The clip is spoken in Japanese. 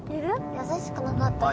優しくなかった人。